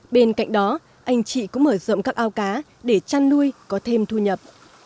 bên cạnh đó anh chị cũng mở rộng các ao cá để chăn nuôi có thêm thu nhập